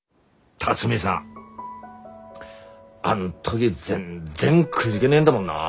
「龍己さんあん時全然くじげねえんだもんなぁ」